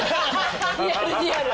リアルリアル！